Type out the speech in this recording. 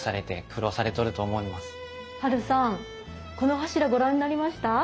ハルさんこの柱ご覧になりました？